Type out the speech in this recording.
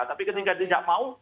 tapi ketinggiannya tidak mau